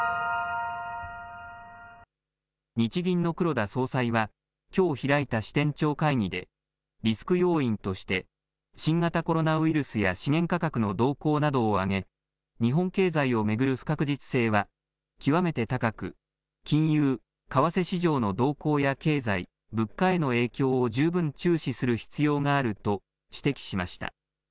日銀の黒田総裁はきょう開いた支店長会議でリスク要因として新型コロナウイルスや資源価格の動向などを挙げ日本経済を巡る不確実性は極めて高く金融・為替市場の動向や経済・物価への影響を十分注視する必要があると指摘しました。